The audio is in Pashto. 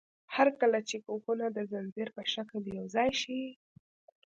هر کله چې کوکونه د ځنځیر په شکل یوځای شي.